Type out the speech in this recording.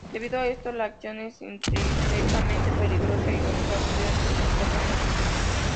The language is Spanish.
Debido a esto, la acción es intrínsecamente peligrosa, y los accidentes son comunes.